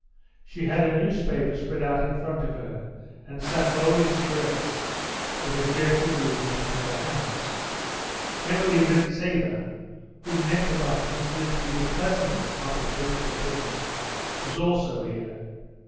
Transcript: She had a newspaper spread out in front of her, and sat rolling cigarettes with a jerky movement of her hands. Emily Rintzeva, whom Nekhludoff considered to be the pleasantest of the political prisoners, was also here.